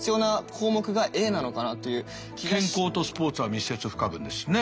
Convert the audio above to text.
健康とスポーツは密接不可分ですしね。